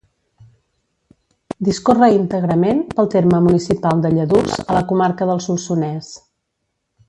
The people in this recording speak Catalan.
Discorre íntegrament pel terme municipal de Lladurs, a la comarca del Solsonès.